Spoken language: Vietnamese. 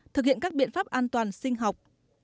thực hiện các biện pháp an toàn sinh học